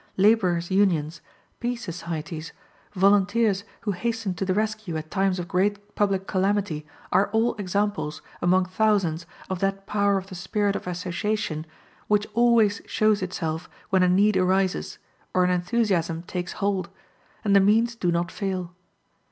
laborers' unions, peace societies, volunteers who hasten to the rescue at times of great public calamity are all examples, among thousands, of that power of the spirit of association, which always shows itself when a need arises, or an enthusiasm takes hold, and the means do not fail.